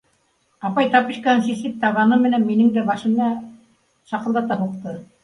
Апай тапочкаһын сисеп, табаны менән минең дә башына шаҡылдата һуҡты.